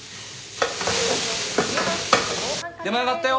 出前上がったよ。